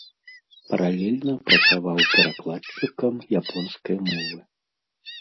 Паралельна працаваў перакладчыкам японскай мовы.